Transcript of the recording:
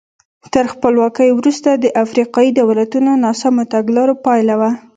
تر خپلواکۍ وروسته د افریقایي دولتونو ناسمو تګلارو پایله وه.